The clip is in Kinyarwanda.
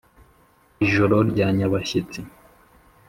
ijoro rya nyabashyitsi